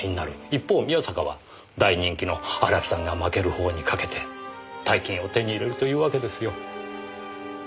一方宮坂は大人気の荒木さんが負ける方に賭けて大金を手に入れるというわけですよ。